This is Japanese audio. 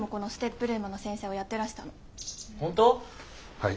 はい。